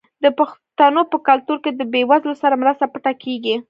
د پښتنو په کلتور کې د بې وزلو سره مرسته پټه کیږي.